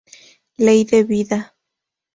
Ley de vida.